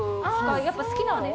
やっぱ好きなの？